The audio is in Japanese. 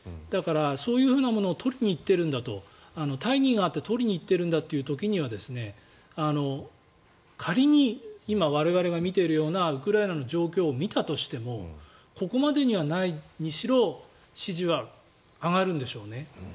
だから、そういうものを取りに行ってるんだと。大義があって取りに行ってるんだという時には仮に今、我々が見ているようなウクライナの状況を見たとしてもここまでにはないにしろ支持は上がるんでしょうね。